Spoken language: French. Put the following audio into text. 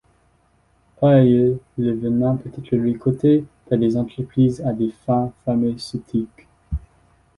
Par ailleurs, le venin peut-être récolté par des entreprises à des fins pharmaceutiques.